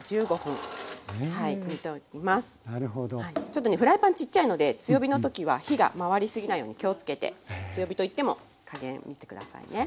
ちょっとねフライパンちっちゃいので強火の時は火が回り過ぎないように気をつけて強火といっても加減見て下さいね。